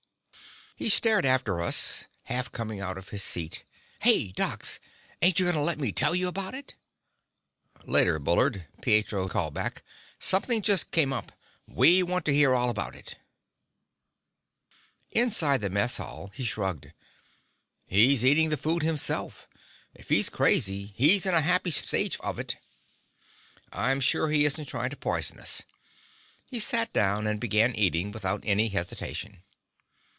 He stared after us, half coming out of his seat. "Hey, docs, ain't you gonna let me tell you about it?" "Later, Bullard," Pietro called back. "Something just came up. We want to hear all about it." Inside the mess hall, he shrugged. "He's eating the food himself. If he's crazy, he's in a happy stage of it. I'm sure he isn't trying to poison us." He sat down and began eating, without any hesitation.